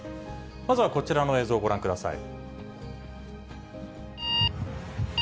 まずはこちらの映像をご覧ください。